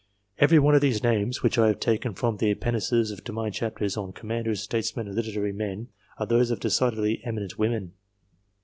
Every one of these names, which I have taken from the Appendices to my chapters on Commanders, Statesmen, and Literary Men, are those of decidedly eminent women.